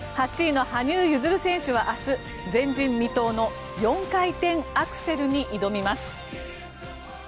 ８位の羽生結弦選手は明日、前人未到の４回転アクセルに挑みます。